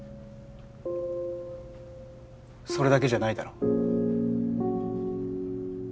それだけじゃないだろ？